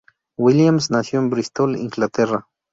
Williams nació en Bristol, Inglaterra.